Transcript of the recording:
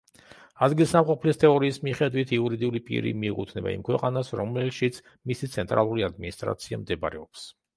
ადგილსამყოფლის თეორიის მიხედვით, იურიდიული პირი მიეკუთვნება იმ ქვეყანას, რომელშიც მისი ცენტრალური ადმინისტრაცია მდებარეობს.